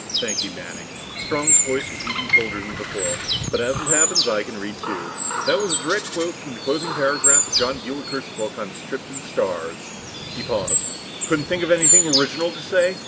"Thank you, Manning." Strong's voice was even colder than before. "But as it happens, I can read too. That was a direct quote from the closing paragraph of Jon Builker's book on his trip to the stars!" He paused. "Couldn't you think of anything original to say?"